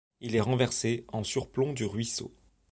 Il est renversé, en surplomb du ruisseau.